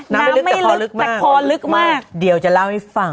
น้ำไม่ลึกแต่คอลึกมาก